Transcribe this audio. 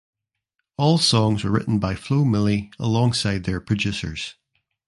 All songs were written by Flo Milli alongside their producers.